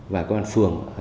và công an phường hà nội